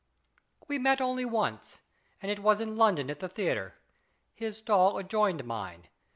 We only met once, and it was in London at the theatre. His stall adjoined mine.